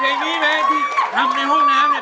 เพลงนี้เลยที่ทำในห้องน้ำเนี่ย